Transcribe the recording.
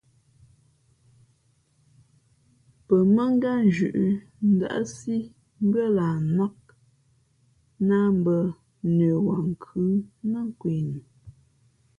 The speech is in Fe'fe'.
Pαmᾱngátnzhʉ̌ʼ ndάʼsí mbʉ́ά lah nnák nāh mbᾱ nəwaankhʉ̌ nά kwe nu.